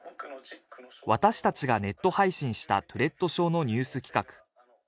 私達がネット配信したトゥレット症のニュース企画